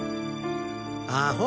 アホ！